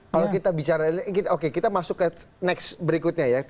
kalau kita bicara oke kita masuk ke next berikutnya ya